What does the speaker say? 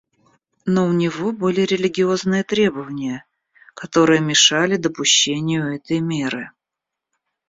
Но у него были религиозные требования, которые мешали допущению этой меры.